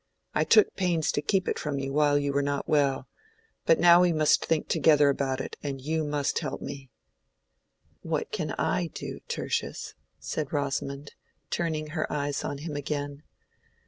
I took pains to keep it from you while you were not well; but now we must think together about it, and you must help me." "What can I do, Tertius?" said Rosamond, turning her eyes on him again.